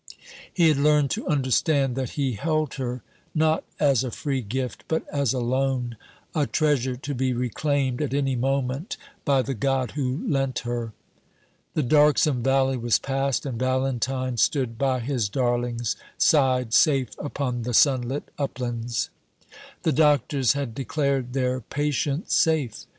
He had learned to understand that he held her, not as a free gift, but as a loan a treasure to be reclaimed at any moment by the God who lent her. The darksome valley was past, and Valentine stood by his darling's side, safe upon the sunlit uplands. The doctors had declared their patient safe.